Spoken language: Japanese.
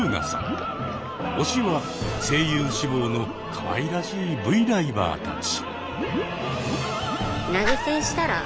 推しは声優志望のかわいらしいＶライバーたち。